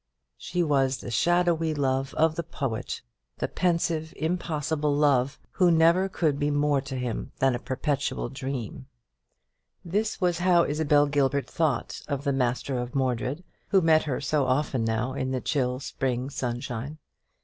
She was the shadowy love of the poet, the pensive impossible love, who never could be more to him than a perpetual dream. This was how Isabel Gilbert thought of the master of Mordred, who met her so often now in the chill spring sunshine.